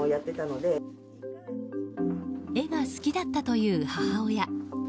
絵が好きだったという母親。